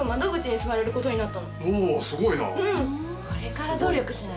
これから努力しないとね。